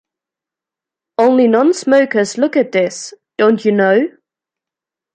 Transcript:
Only non smokers look at this, don’t you know?